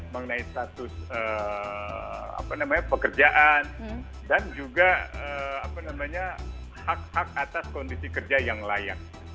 mengenai status pekerjaan dan juga hak hak atas kondisi kerja yang layak